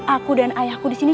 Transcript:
aku dan ayahku disini